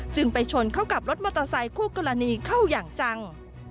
ไปชนเข้ากับรถมอเตอร์ไซคู่กรณีเข้าอย่างจัง